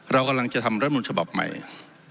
เรากำลังจะทำรัฐบปเป็นรัฐบอกเหมือนไหน